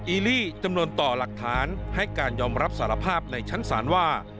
ีลี่จำนวนต่อหลักฐานให้การยอมรับสารภาพในชั้นศาลว่า